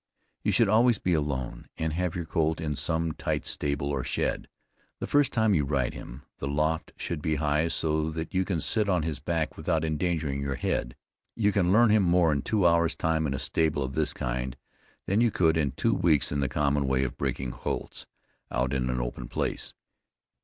You should always be alone, and have your colt in some tight stable or shed, the first time you ride him; the loft should be high so that you can sit on his back without endangering your head. You can learn him more in two hours time in a stable of this kind, than you could in two weeks in the common way of breaking colts, out in an open place.